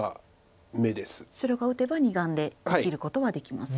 白が打てば２眼で生きることはできます。